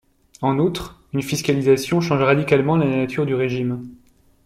En outre, une fiscalisation change radicalement la nature du régime.